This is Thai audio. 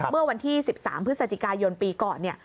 เมื่อวันที่๑๓พฤศจิกายนปีก่อนเนี่ย